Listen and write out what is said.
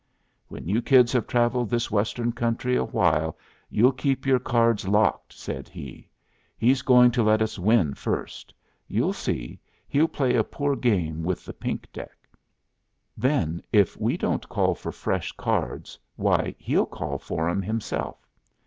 "When you kids have travelled this Western country awhile you'll keep your cards locked," said he. "He's going to let us win first. You'll see, he'll play a poor game with the pink deck. Then, if we don't call for fresh cards, why, he'll call for 'em himself.